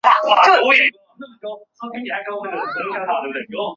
另外一个拥有长毛的猪种英格兰林肯郡卷毛猪目前已经灭绝。